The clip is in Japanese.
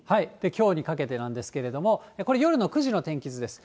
きょうにかけてなんですけれども、これ、夜の９時の天気図です。